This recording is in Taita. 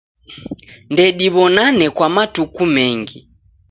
Ndediw'onane kwa matuku mengi.